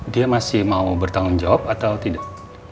dia masih mau bertanggung jawab atau tidak